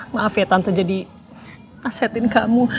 maaf ya tante jadi asetin kamu